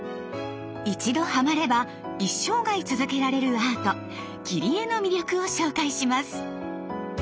一度ハマれば一生涯続けられるアート「切り絵」の魅力を紹介します。